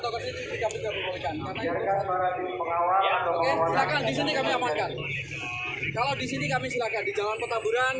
kalau disini kami silakan di jalan pertamburan